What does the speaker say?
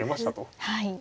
はい。